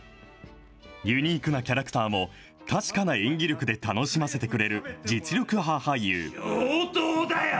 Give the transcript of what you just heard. ユニークなキャラクターも、確かな演技力で楽しませてくれる実力派俳優。